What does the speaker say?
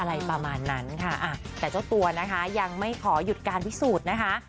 อะไรประมาณนั้นค่ะแต่เจ้าตัวนะคะยังไม่ขอหยุดการพิสูจน์นะคะ